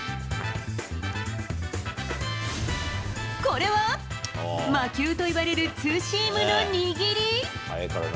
これは、魔球といわれるツーシームの握り？